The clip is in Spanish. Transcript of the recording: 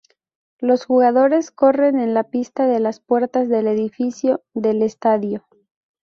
Los jugadores corren en la pista de las puertas del edificio del estadio.